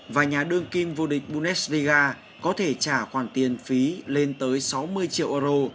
và nhà đương kim vô địch bundesliga có thể trả khoản tiền phí lên tới sáu mươi triệu euro